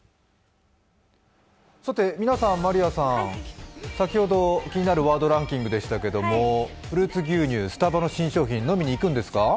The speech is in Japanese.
みなさん、まりあさん気になるワードランキングでしたけど、フルーツ牛乳、スタバの新商品、飲みにいくんですか？